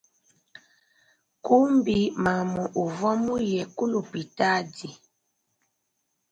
Kumbi mamu uvua muye ke lupitadi.